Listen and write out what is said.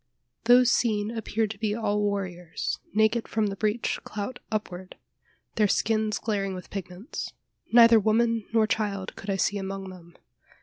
Those seen appeared to be all warriors, naked from the breech clout upward, their skins glaring with pigments. Neither woman nor child could I see among them.